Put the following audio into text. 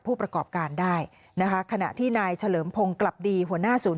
ผู้ประกอบการได้นะคะขณะที่นายเฉลิมพงศ์กลับดีหัวหน้าศูนย์